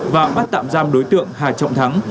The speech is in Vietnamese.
và bắt tạm giam đối tượng hà trọng thắng